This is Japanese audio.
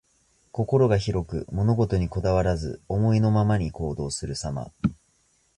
心が広く、物事にこだわらず、思いのままに行動するさま。